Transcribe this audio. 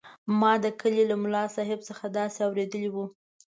ما د کلي له ملاصاحب څخه داسې اورېدلي وو.